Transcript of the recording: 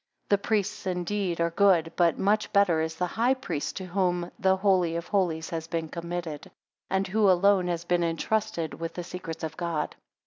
22 The priests indeed are good; but much better is the High Priest to whom the Holy of Holies has been committed; and who alone has been intrusted with the secrets of God.